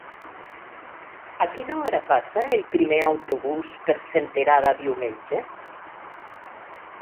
A quina hora passa el primer autobús per Senterada diumenge?